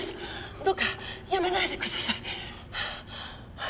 どうか辞めないでください。